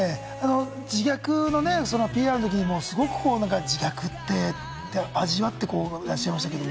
自虐のＰＲの時にもすごく、自虐って味わってらっしゃいました。